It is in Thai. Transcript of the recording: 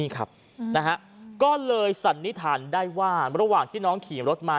ก็เลยสันนิษฐานได้ว่าระหว่างที่น้องขี่รถมา